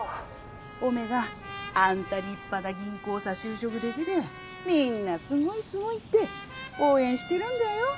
おめがあんた立派な銀行さ就職できてみんなすごいすごいって応援してるんだよ。